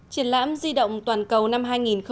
triển lãm di động toàn cầu năm hai nghìn một mươi bảy